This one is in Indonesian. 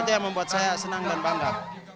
itu yang membuat saya senang dan bangga